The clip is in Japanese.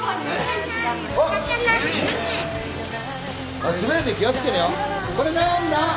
おい滑るで気をつけろよ。